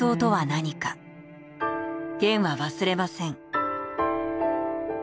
ゲンは忘れません。